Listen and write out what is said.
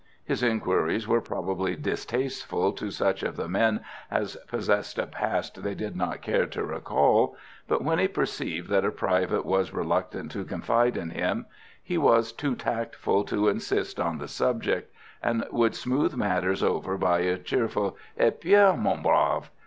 His enquiries were probably distasteful to such of the men as possessed a past they did not care to recall; but when he perceived that a private was reluctant to confide in him, he was too tactful to insist on the subject, and would smooth matters over by a cheerful, "_Et bien, mon brave.